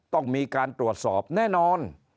ต้องมีการตรวจสอบแน่นอน